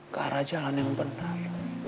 ke arah jalan yang benar